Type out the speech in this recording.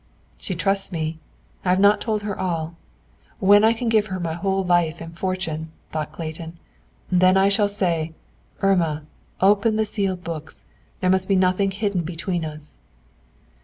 "She trusts me; I have not told her all. When I can give her my whole life and a fortune," thought Clayton, "then I shall say, 'Irma, open the sealed books. There must be nothing hidden between us.'"